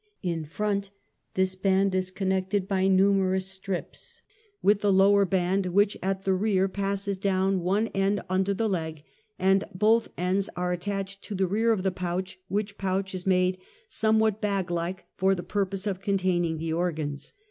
" In front this band is connected, by numerous strips, with the lower band which at the rear passes down, one end under the leg, and both ends are at tached to the rear of the pouch which pouch is made somewhat bag like for the purpose of containing the organs.